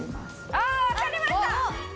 あぁ分かりました！